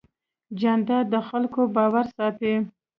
جانداد د خلکو باور ساتي.